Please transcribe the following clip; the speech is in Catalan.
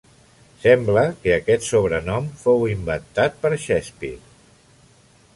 Sembla que aquest sobrenom fou inventat per Shakespeare.